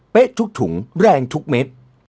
ทุกถุงแรงทุกเม็ด